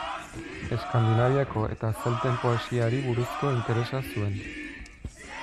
Eskandinaviako eta zelten poesiari buruzko interesa zuen.